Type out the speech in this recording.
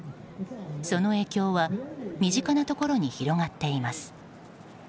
その影響は身近なところに広がっています。